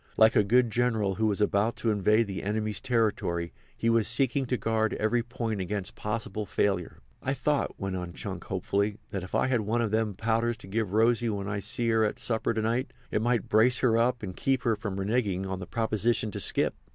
Like a good general who was about to invade the enemy's territory he was seeking to guard every point against possible failure. "I thought," went on Chunk hopefully, "that if I had one of them powders to give Rosy when I see her at supper to night it might brace her up and keep her from reneging on the proposition to skip.